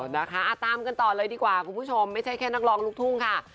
นะคะตามกันต่อเลยดีกว่าคุณผู้ชมไม่ใช่แค่นักร้องลูกทุ่งค่ะ